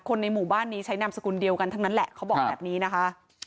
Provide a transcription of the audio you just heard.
ในหมู่บ้านนี้ใช้นามสกุลเดียวกันทั้งนั้นแหละเขาบอกแบบนี้นะคะ